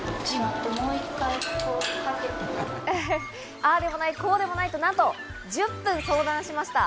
ああでもない、こうでもないと、なんと１０分相談しました。